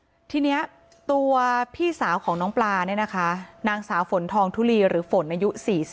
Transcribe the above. ทีนี้ตัวพี่สาวของน้องปลาเนี่ยนะคะนางสาวฝนทองทุลีหรือฝนอายุ๔๐